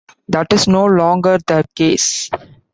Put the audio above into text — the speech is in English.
That is no longer the case.